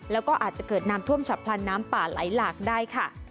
แล้วก็อาจจะเกิดน้ำท่วมฉับพลันน้ำป่าไหลหลากได้ค่ะ